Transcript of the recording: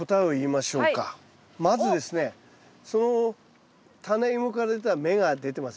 まずですねそのタネイモから出た芽が出てますよね。